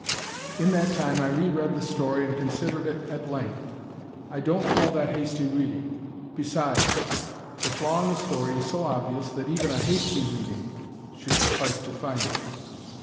In that time I re read the story and considered it at length. I don't call that hasty reading. Besides, the flaw in the story is so obvious that even a "hasty" reading should suffice to find it.